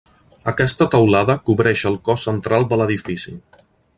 Aquesta teulada cobreix el cos central de l'edifici.